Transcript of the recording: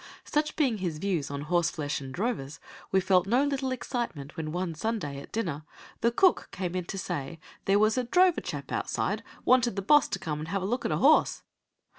Such being his views on horseflesh and drovers, we felt no little excitement when one Sunday, at dinner, the cook came in to say there was "a drover chap outside wanted the boss to come and have a look at a horse."